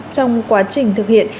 trong quá trình thực hiện